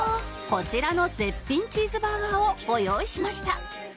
こちらの絶品チーズバーガーをご用意しました